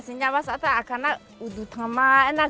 พูดภาษาไทยได้ไหมคะ